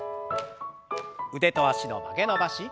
腕と脚の曲げ伸ばし。